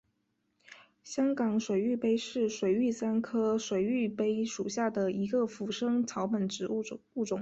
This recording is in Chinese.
香港水玉杯是水玉簪科水玉杯属下的一个腐生草本植物物种。